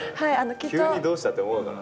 「急にどうした？」って思うから。